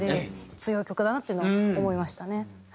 強い曲だなっていうの思いましたね。